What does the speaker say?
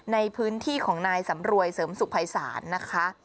ในพื้นที่ของนายสำรวยเสริมสุขภัยศาลนะคะ